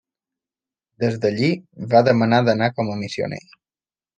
Des d'allí, va demanar d'anar com a missioner.